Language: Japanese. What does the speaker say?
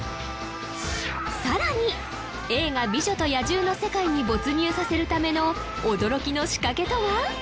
さらに映画「美女と野獣」の世界に没入させるための驚きの仕掛けとは？